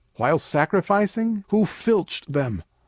While sacrificing? Who filched them?